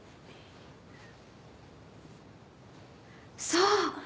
そう！